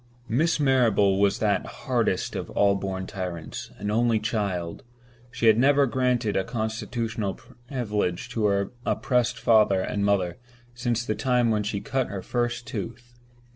Miss Marrable was that hardest of all born tyrants—an only child. She had never granted a constitutional privilege to her oppressed father and mother since the time when she cut her first tooth.